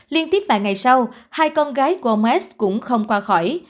liên tiếp vài ngày sau hai con gái của ông mest cũng không qua khỏi